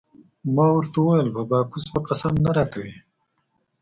ما ورته وویل: نه په باکوس به قسم نه راکوې.